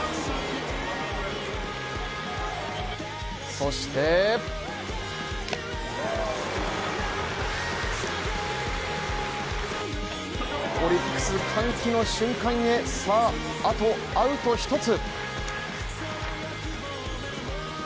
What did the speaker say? そしてオリックス歓喜の瞬間へさあ、あとアウト一つ。